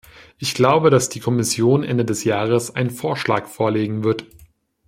Ich glaube, dass die Kommission Ende des Jahres einen Vorschlag vorlegen wird.